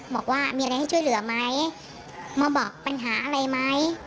บอกว่ามีอะไรให้ช่วยเหลือไหมมาบอกปัญหาอะไรไหม